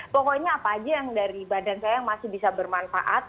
pokoknya apa aja yang dari badan saya yang masih bisa bermanfaat